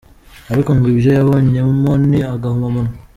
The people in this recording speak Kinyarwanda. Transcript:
Ariko ngo ibyo yabonyemo ni agahomamunwa.